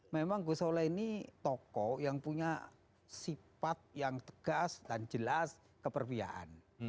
memang gusola ini tokoh yang punya sifat yang tegas dan jelas keperbiaan